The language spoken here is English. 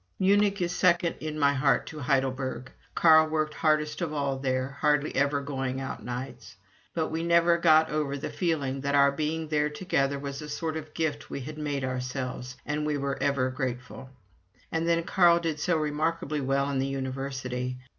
Munich is second in my heart to Heidelberg. Carl worked hardest of all there, hardly ever going out nights; but we never got over the feeling that our being there together was a sort of gift we had made ourselves, and we were ever grateful. And then Carl did so remarkably well in the University.